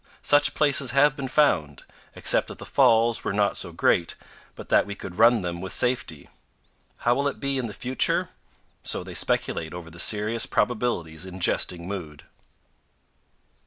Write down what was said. Such places have been found, except that the falls were not so great but that we could run them with safety. How will it be in the future t So they speculate over the serious probabilities in jesting mood.